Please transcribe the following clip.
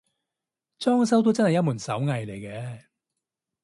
裝修都真係一門手藝嚟嘅